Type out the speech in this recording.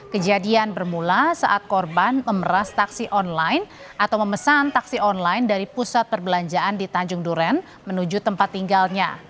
kejadian bermula saat korban memeras taksi online atau memesan taksi online dari pusat perbelanjaan di tanjung duren menuju tempat tinggalnya